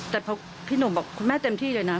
แต่พอพี่หนุ่มบอกคุณแม่เต็มที่เลยนะ